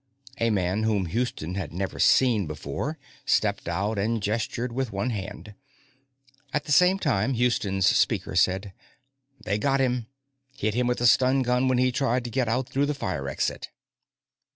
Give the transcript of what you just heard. A man whom Houston had never seen before stepped out and gestured with one hand. At the same time, Houston's speaker said: "They've got him. Hit him with a stun gun when he tried to get out through the fire exit."